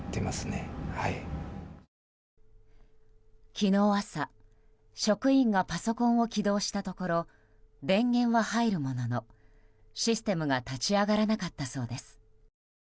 昨日朝職員がパソコンを起動したところ電源は入るものの、システムが立ち上がらなかったそうです。